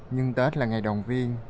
nhưng tết là ngày đoàn viên